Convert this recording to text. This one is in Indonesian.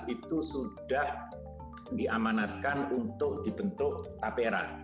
itu sudah diamanatkan untuk dibentuk tapera